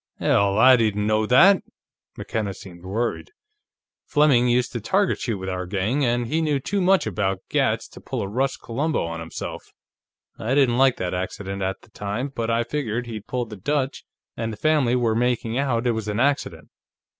"Hell, I didn't know that!" McKenna seemed worried. "Fleming used to target shoot with our gang, and he knew too much about gats to pull a Russ Columbo on himself. I didn't like that accident, at the time, but I figured he'd pulled the Dutch, and the family were making out it was an accident.